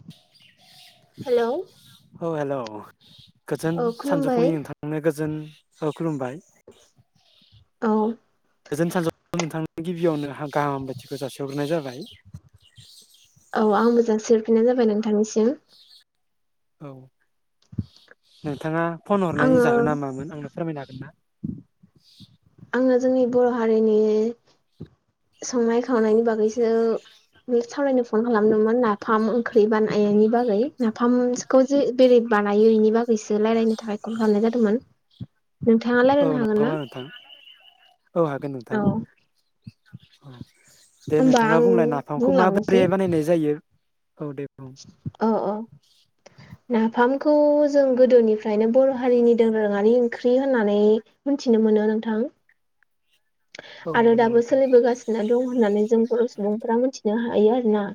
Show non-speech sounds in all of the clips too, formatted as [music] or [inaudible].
अ। Hello. औ hello गोजोन खुलुमबाय सानजौफुंनि नोंथांनो गोजोन औ खुलुमबाय। औ। गोजोन सानजुफुनि नोंथांनो गिबियावनो हा गाहाम हामलायथिखौ जासिहरग्रोनाय जाबाय। औ आंबो जासिहरफिनाय जाबाय नोंथांनिसिम‌। औ नोंथाङा फन हरनायनि आङो जाहोना मामोन आंनो फोरमायनो हागोन ना? आङो जोंनि बर' हारिनि संनाय खावनायनि बागैसो सावरायनो फन खालामदोंमोन नाफाम ओंख्रि बानायनायनि बागै नाफाम खौ जे बेरै बानायो इनि बागैसो रायलायनो थाखाय कल खालामनाय जादोंमोन। नोंथाङा औ रायलायनो हागोन नंगौना ना? नोंथां औ हागोन औ नोंथां। औ दे होमबा नोंथाङा आं बुंलाय नाफामखौ बुंलांनोसै माबोरैहाय बानायनाय जायो औ दे। औ। ओ ओ। नाफामखौ जों गोदोनिफ्रायनो बर' हारिनि दोरोङारि ओंख्रि होननानै मोनथिनो मोनो नोंथां। औ आरो नंगौ नामा दाबो नोंथां सोलिबोगासि नो दं होननानै जों बर' सुबुंफोरा मोनथिनो हायो आरो ना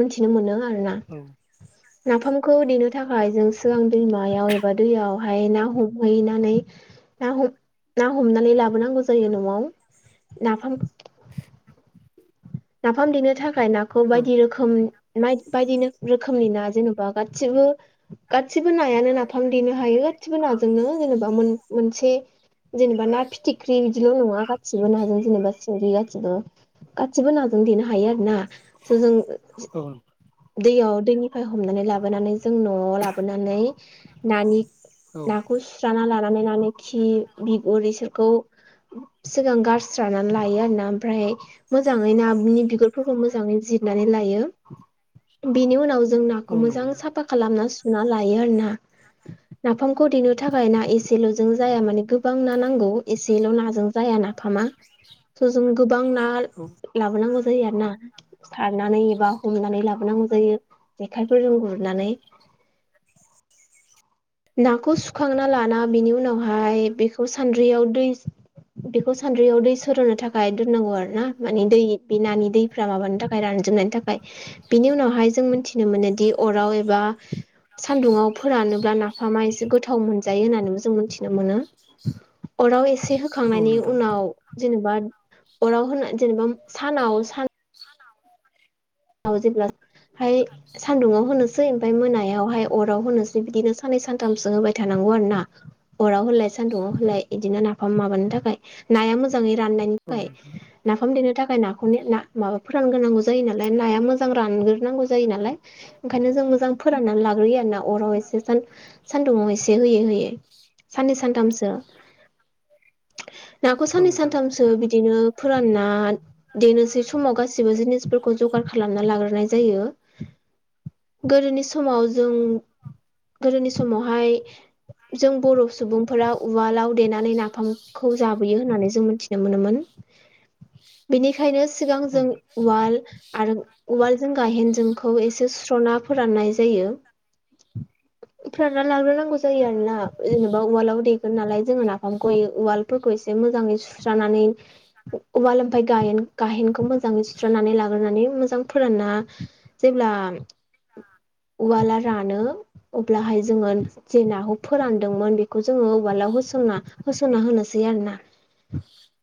मोनथिनो मोनो आरो ना। औ। अ। नाफामखौ देनो थाखाय जों सिगां दैमायाव एबा दैयावहाय ना हमहैनानै ना हम हमनानै लाबोनांगौ जायो न'आव। नाफाम नाफाम देनो थाखाय नाखौ औ बायदि रोखोम माय बायदि रोखोमनि ना जेन'बा गासिबो गासिबो नायानो नाफाम देनो हायो गासिबो नाजोंनो जेनेबा मोन मोनसे जेनेबा ना फिथिख्रि बिदिल' नङा गासिबो नाजों जेनेबा सिंगि गासिबो। गासैबो नाजों देनो हायो आरो ना स जों औ दैयाव दैनिफ्राय हमनानै लाबोनानै जों न'आव लाबोनानै नानि औ नाखौ सुस्रा लानानैनानै नानि खि बिगुर इसोरखौ सिगां गारस्रानानै लायो आरोना ओमफ्राय मोजाङै नानि बिगुरफोरखौ मोजाङै जिरनानै लायो बेनि उनाव जों औ नाखौ नंगौ मोजां नामा साफा खालामना सुना लायो आरो ना। नाफामखौ देनो थाखाय ना एसेल'जों जाया माने गोबां ना नांगौ एसेल' नाजों जाया ना नाफामा थ' जों गोबां ना औ लाबोनांगौ जायो आरो ना। सारनानै एबा हमनानै लाबोनांगौ जायो जेखाइफोरजों गुरनानै। नाखौ सुखांना लाना बेनि उनावहाय बेखौ सान्द्रियाव दै बेखौ सान्द्रियाव दै सरनो थाखाय दोननांगौ आरो ना माने दै बे नानि दै फ्रा माबानि थाखाय रानजोबनायनि थाखाय। बिनि उनावहाय जों मिथिनो मोनो दि अराव एबा सान्दुंआव फोरानोब्ला नाफामा एसे गोथाव मोनजायो होननानैबो जों मोनथिनो मोनो। अराव एसे औ होखांनायनि नोंथां उनाव जेनेबा अराव होना जेनेबा सानाव सान जेब्ला हाय सान्दुंङाव होनोसै ओमफ्राय मोनायावहाय अराव होनोसै बिदिनो साननै सानथामसो होबाय थानांगौ आरो ना। अराव होलाय सान्दुंङाव होलाय बिदिनो नाफाम माबानो थाखाय नाया मोजाङै राननायनि औ फाय नोंथां नाफाम देनो थाखाय नाखौनो ना माबा फोरानग्रोनांगौ जायो ना नाया मोजां रानग्रोनांगौ जायो नालाय। ओंखायनो जों मोजां फोराननानै लाग्रोयो आरो ना अराव एसे सान सान्दुंआव एसे होयै होयै। साननै सानथामसो नाखौ औ साननै नोंथां सानथामसो बिदिनो फोरानना देनोसै समाव गासिबो जिनिसफोर खौ जगार खालामना लाग्रोनाय जायो गोदोनि समाव जों गोदोनि समावहाय जों बर' सुबुंफोरा उवालाव देनानै नाफामखौ जाबोयो होननानै जों मिथिनो मोनोमोन। बेनिखायनो सिगां औ जों उवाल आरो उवालजों गायेनजोंखौ एसे सुस्र'ना फोराननाय जायो। फोरान ना लाग्रो नांगौ जा जायो आरो ना जेनेबा उवालाव देग्रो नालाय जोङो नाफामखौ उवालफोरखौ इसे मोजाङै सुस्रांनानै अवाल गायेनखौ मोजाङै सुस्रनानै ला मोजां फोराना जेब्ला उवला रानो अब्लाहाय जोङो जे नाखौ फोरानदोंमोन बेखौ जोङो उवला होसनना होसनना होनोसै आरो ना।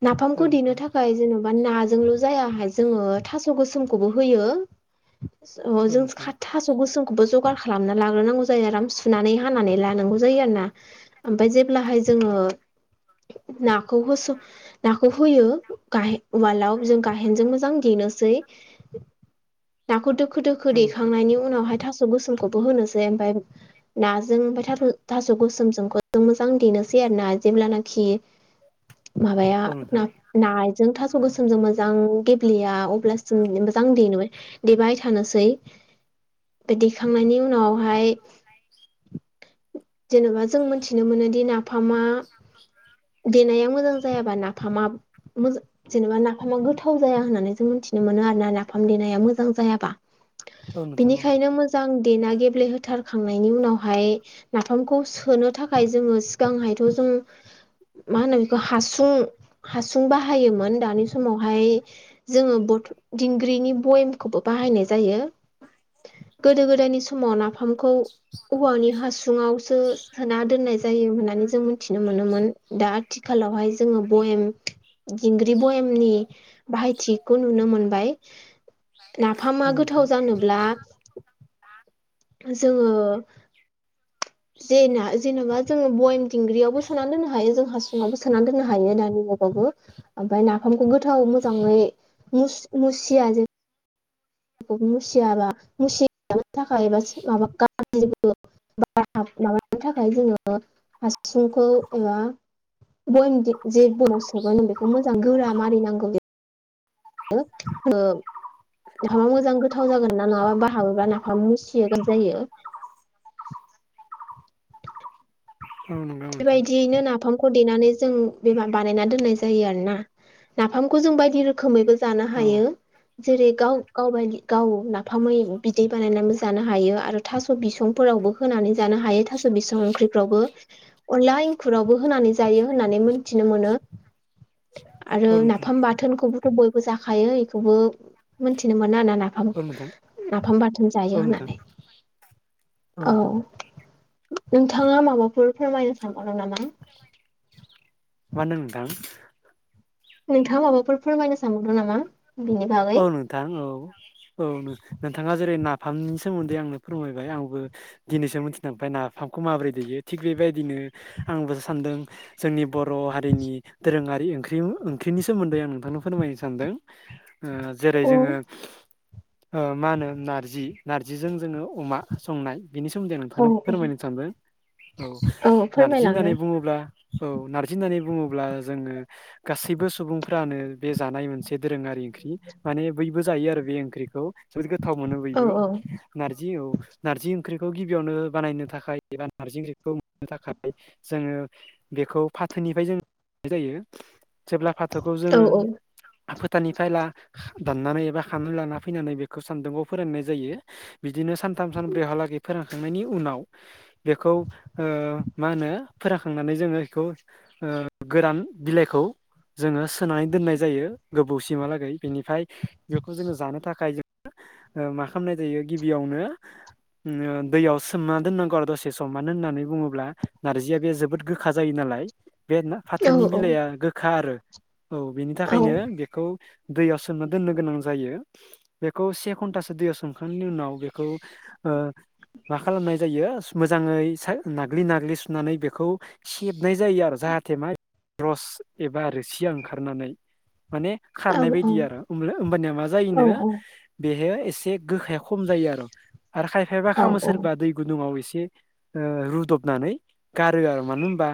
नाफामखौ देनो नोंथां थाखाय जेन'बा नाजोंल' जायाहाय जोङो थास' गोसोमखौबो होयो औ नोंथां औ जों नोंथां थां थासगोसोम खौबो जगार खालामना लाग्रोनांगौ जायो आराम सुनानै हानानै लानांगौ जायो आरो ना। ओमफ्राय जेब्लाहाय जोङो नाखौ होस नाखौ होयो गाहाय उवालाव जों गायेनजों मोजां देनो नाखौ दोखो दोखो औ नोंथां देखांनायनि उनाव थास' गोसोमखौबो होनोसै नाजों ओमफ्राय थास' गोसोमजोंखौ जों मोजां देनोसै आरो ना जेब्लानाखि माबाया औ नोंथां नाजों थास' गोसोमजों मोजां गेब्लेया अब्लासिम मोजां देनो देबाय थानोसै बे देखांनायनि उनावहाय जेनेबा जों मोनथिनो मोनोदि नाफामा देनाया मोजां जायाबा नाफाम मोजां जेनेबा नाफामा गोथाव जाया होननानै जों मिथि मोनो आरोना नाफाम देनाया मोजां जायाबा औ नोंथां औ मोजां देना गेब्लेहोथारखांनायनि उनावहाय नाफामखौ सोनो थाखाय जोङो गांहायथ' जों मा होनो बेखौ हासुं हासुं बाहायोमोन दानि समावहाय जोङो ब दिंग्रिनि बयेमखौबो बाहायनाय जायो गोदो गोदायनि समाव नाफामखौ औवानि हासुङावसो सोना दोननाय जायो होननानै जों मिथिनो मोनोमोन दा आथिखालावहाय जोङो भयम दिंग्रि बयमनि बाहायथिखौ नुनो मोनबाय नाफामया नोंथां गोथाव जानोब्ला जोङो जेना जेनेबा जोंङो बयम दिंग्रियावबो सोना दोननो हायो जों हासुङावबो सोना दोननो हायो दानि जुगावबो ओमफ्राय नाफामखौ गोथाव मोजाङै मु मुसिया जों मुसियाबा मुसियानो थाखाय एबा माबा गबो [unintelligible] बार माबानो थाखाय जोङो हासुंखौ एबा बयम जे बयमयाव सोगोन बेखौ मोजां गोरा मारिनांगौ आ [unintelligible] नाफामा मोजां गोथाव जागोन ना नङाबा बार हाबोब्ला नाफामा मुसियो गाज्रि जायो औ नंगौ नोंथां बेबायदियैनो नाफाम खौ देनानै जों बानायनानै दोननाय जायो आरो ना नाफामखौ जों बायदि रोखोमैबो जानो औ हायो जेरै गाव गावबाय गाव नाफामै बिदै बानायनानैबो जानो हायो आरो। थास' बिसंफोरावबो होनानै जानो हायो थास' बिसं ओंख्रिफ्रावबो अनला इंखुरावबो होनानै जायो होननानै मोनथिनो मोनो आरो औ नोंथां नाफाम बाथोनखौबोथ' बयबो जाखायो बेखौबो मोनथिनो मोनो ना नाफाम औ नोंथां नाफाम बाथोन जायो औ नोंथां होननानै औ नोंथाङा माबाफोर फोरमायनो सानबावदों नामा मा होनदों नोंथां नोंथाङा माबाफोर फोरमायनो सानबावदों नामा बिनि बागै औ नोंथां औ औ नोंथाङा जेरै नाफामनि सोमोन्दै आंनो फोरमायबाय आंबो दिनैसो मोनथिदों ओफ्राय नाफामखौ माबोरै दैयो थिग बेबायदिनो आंबोसो सानदों जोंनि बर' हारिनि दोरोङारि ओंख्रि ओंख्रिनि सोमोन्दै आं नोंथांनो फोरमायनो सानदों जेरै औ जोङो मा होनो नारजि नार्जिजों जोङो अमा संनाय बेनि सोमोन्दै आं औ नोंथांनो फोरमायनो सानबाय औ नारजि होननानै बुङोब्ला औ नारजि होननानै बुङोब्ला जोङो गासैबो सुबुंफ्रानो बे जानाय मोनसे दोरोङारि ओंख्रि माने बयबो जायो आरो बे ओंख्रिखौ जोबोद गोथाव मोनो औ बयबो। औ नारजि औ नारजि ओंख्रिखौ गिबियावनो बानायनो थाखाय एबा नार्जि ओंख्रिखौ मोननो थाखाय जोङो बेखौ फाथोनिफ्राय जों मोननाय जायो। जेब्ला फाथोखौ औ जोङो फोथारनिफ्रायला दाननानै एबा खानानै लाना फैनानै बेखौ सान्दुंआव फोराननाय जायो। बिदिनो सानथाम सानब्रैहालागै फोरानखांनायनि उनाव बेखौ ओ मा होनो फोरानखांनानै जोङो बेखौ ओ गोरान बिलाइखौ जोङो सोनानै दोननाय जायो गोबौसिमहालागै। बिनिफ्राय बेखौ जोङो जानो थाखाय जों मा खालामनाय जायो गिबियावनो दैयाव सोमना दोननांगौ आरो दसे सम मानो होननानै बुङोब्ला नारजिया बे जोबोद गोखा जायो नालाय बे औ फाथोनि औ बिलाइआ गोखा आरो औ बेनि थाखायनो बेखौ दैयाव सोमना दोननो गोनां जायो। बेखौ से घन्टासो दैयाव सोमखांनायनि उनाव बेखौ ओ मा खालामनाय जायो मोजाङै नाग्लि नाग्लि सुनानै बेखौ सेबनाय जायो आरो जाहाथे मा रस एबा रोसिया ओंखारनानै माने खारनाय बायदि आरो होमबानिया मा जायोनो बेह एसे गोखाया खम जायो आरो आरो खायफायाबा मा खालामो सोरबा दै गुदुंङाव एसे ओ रुदबनानै गारो आरो मानो होमबा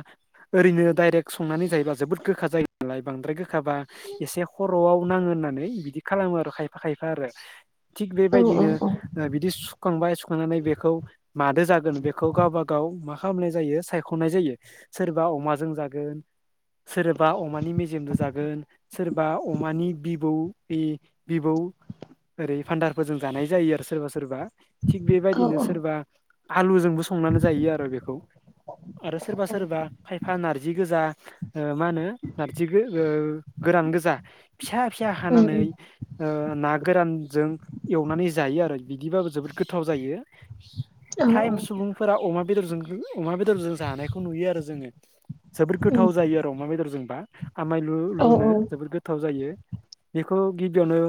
ओरैनो डाइरेक्ट संनानै जायोबा जोबोद गोखा जायो नालाय बांद्राय गोखाबा एसे खर'आव नाङो होननानै बिदि खालामो आरो खायफा खायफा आरो थिग बेबायदिनो बिदि सुखांबाय सुखांनानै बेखौ मादो जागोन बेखौ गावबा गाव मा खालामनाय जायो सायख'नाय जायो सोरबा अमाजों जागोन सोरबा अमानि मेजेमजों जागोन सोर बा अमानि बिबौ बे बिबौ ओरै बान्दारफोरजों जानाय जायो आरो सोरबा सोरबा थिग बेबायदिनो सोरबा आलुजोंबो संनानै जायो आरो बेखौ आरो सोरबा सोरबा खायफा नारजि गोजा ओ मा होनो नारजि गो ओ गोरान गोजा फिसा फिसा हानानै ओ ना गोरानजों एवनानै जायो आरो बिदिबाबो जोबोद गोथाव जायो। फ्राय सुबुंफोरा अमा बेदरजों अमा बेदरजों जानायखौ नुयो आरो जोङो। जोबोर गोथाव जायो आरो अमा बेदरजोंबा आमाय लु लुनो। जोबोद गोथाव जायो बेखौ गिबियावनो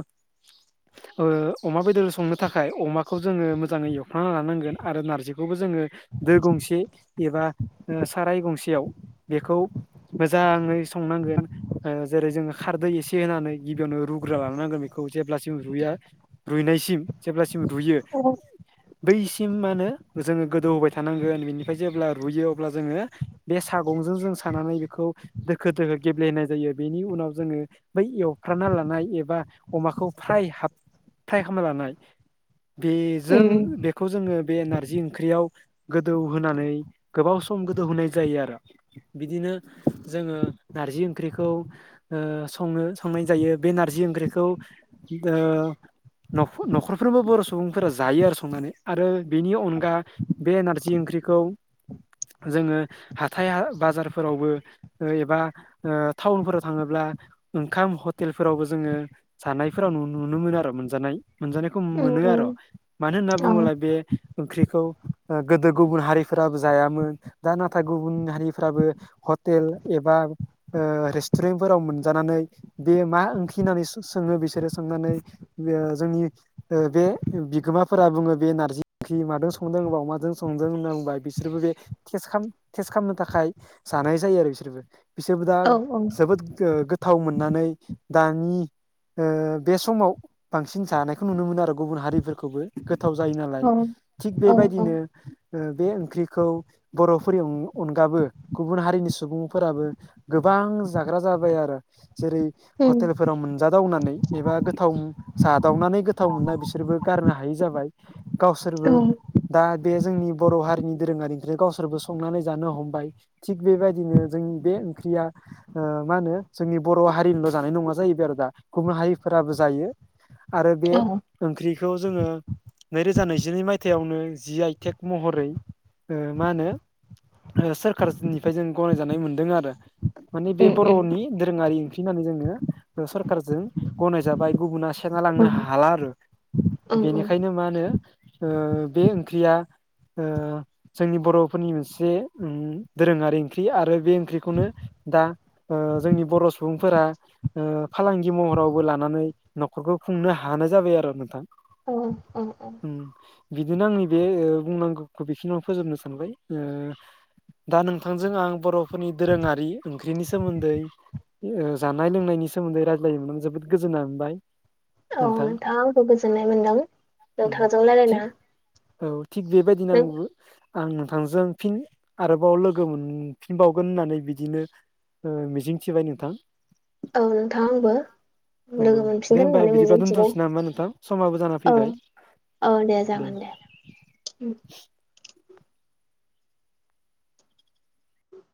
[inaudible] ओ अमा बेदर संनो थाखाय अमाखौ जोङो मोजाङै एवफ्रामना लानांगोन आरो नारजिखौबो जोङो दो गंसे एबा ओ साराय गंसेयाव बेखौ मोजाङै संनांगोन ओ जेरै जोङो खारदै एसे होनानै गिबियावनो रुग्रोना लांनांगोन बेखौ जेब्लासिम रुइया रुइनायसिम जेब्लासिम रुयो अ बैसिम मा होनो जोङो गोदौ होबाय थानांगोन बिनिफ्राय जेब्ला रुयो अब्ला जोङो बे सागंजों जों सानानै बेखौ दोखो दोखो गेब्लेहोनाय जायो बेनि उनाव जोङो बै एवफ्रामना लानाय एबा अमाखौ फ्राय हाब फ्राइ खालामना लानाय बेजों बे खौ जोङो बे नारजि ओंख्रियाव गोदौ होनानै गोबाव सम गोदौ होनाय जायो आरो। बिदिनो जोङो नारजि ओंख्रिखौ ओ संनो संनाय जायो बे नारजि ओंख्रिखौ ओ नख' न'खरफ्रोमबो बर' सुबुंफोरा जायो आरो संनानै आरो बिनि अनगा बे नारजि ओंख्रिखौ जोङो हाथाय हा बाजारफोरावबो ओ एबा ओ टाउनफोराव थाङोब्ला ओंखाम हटेलफोरावबो जोङो जानायफोराव नु नुनो मोनजानाय मोनजानायखौ मोनो आर'। मानो होनना बुङोब्ला बे ओंख्रिखौ गोदो गुबुन हारिफोराबो जायामोन दा नाथाय गुबुन हारिफ्राबो हटेल एबा ओ रेस सटुरेन्ट फोराव मोनजानानै बे मा ओंख्रि होननानै सोङो बिसोरो सोंनानै बे जोंनि ओ बे बिगोमाफोरा बुङो बे नारजि ओंख्रि मादों संदों होनबा अमाजों संदों होनना बुंबाय बिसोरबो बे टेस्ट खाम टेस्ट खालामनो थाखाय जानाय जायो आरो बिसोरबो बिसोरबो दा औ जोबोद ओ गोथाव मोननानै दानि ओ बे समाव बांसिन जानायखौ नुनो मोनो आरो गुबुन हारिफोरखौबो। गोथाव जायो नालाय थिग बेबायदिनो औ ओ बे ओंख्रिखौ बर'फोरनि अनगाबो गुबुन हारिनि सुबुंफोराबो गोबां जाग्रा जाबाय आरो जेरै हटेलफोराव मोन जादावनानै एबा गोथाव जादावनानै गोथाव मोननाय बिसोरबो गारनो हायि जाबाय। गावसोरबो दा बे जोंनि बर' हारिनि दोरोङारिनिफ्राय गावसोरबो संनानै जानो हमबाय। थिग बेबायदिनो जोंनि बे ओंख्रिया ओ मा होनो जोंनि बर' हारिनिल' जानाय नङा जाहैबाय आरो दा गुबुन हारिफोराबो जायो आरो बे औ ओंख्रिखौ जोङो नैरोजा नैजिनै मायथाइयावनो जि आइ टेक महरै मा होनो सोरखारनिफ्राय जों गनायजानाय मोनदों आरो माने बे नोंथाङा बर'नि दोरोङारि ओंख्रि होननानै जोङो सोरखारजों गनायजाबाय गुबुुना से- ना लांनो हाला आरो बेनिखायनो मा होनो ओ बे ओंख्रिया ओ जोंनि बर'फोरनि मोनसे दोरोङारि ओंख्रि आरो बे ओंख्रिखौनो दा जोंनि बर' सुबुंफोरा फालांगि महरावबो लानानै न'खरखौ खुंनो हानाय जाबाय आरो नोंथां औ औ उम बिदिनो आंनि बे बुंनांगौखौ बेखिनिआवनो फोजोबनो सानबाय ओ दा नोंथांजों आं बर'फोरनि दोरोङारि ओंख्रिनि सोमोन्दै जानाय लोंनायनि सोमोन्दै रायज्लायनो मोननानै जोबोद गोजोननाय मोनबाय औ नोंथां आंबो गोजोननाय मोन्दों उम नोंथांजों थि रायलायनो मोनना औ थिग बेबायदिनो आंबो आं नोंथांजों फिन आरोबाव लोगो मोनफिनबावगोन होननानै बिदिनो मिजिंथिबाय नोंथां औ नोंथां आंबो नंगौ लोगो दे मोनफिनगोन होनबा होननानै बिदिबा मिजिंथिबाय दोनथ'नोसै नामा नोंथां समाबो जाना औ फैबाय औ दे जागोन दे